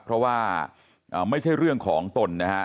เพราะว่าไม่ใช่เรื่องของตนนะฮะ